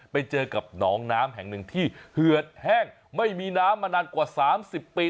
ไปเจอกับหนองน้ำแห่งหนึ่งที่เหือดแห้งไม่มีน้ำมานานกว่า๓๐ปี